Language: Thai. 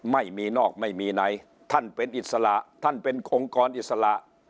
ไม่มีนอกไม่มีในท่านเป็นอิสระท่านเป็นองค์กรอิสระ